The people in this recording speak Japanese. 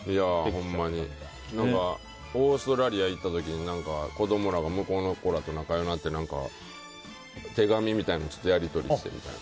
ほんまにオーストラリア行った時に子供らが向こうの子らと仲良くなって手紙みたいなやり取りしてみたいな。